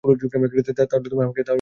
তাহলে আমাকে ও এমন করতে হবে?